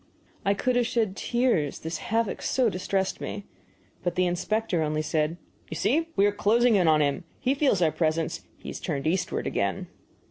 I could have shed tears, this havoc so distressed me. But the inspector only said: "You see we are closing in on him. He feels our presence; he has turned eastward again."